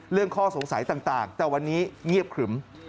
ข้อสงสัยต่างแต่วันนี้เงียบขรึม